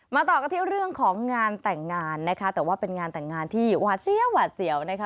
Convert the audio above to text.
ต่อกันที่เรื่องของงานแต่งงานนะคะแต่ว่าเป็นงานแต่งงานที่หวาดเสียวหวาดเสียวนะคะ